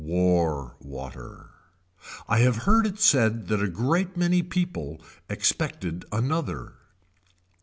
War water. I have heard it said that a great many people expected another.